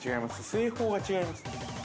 製法が違います？